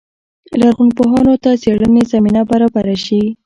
لرغونپوهانو ته څېړنې زمینه برابره شي.